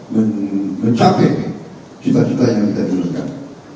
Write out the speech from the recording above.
mencapai cita cita yang kita turutkan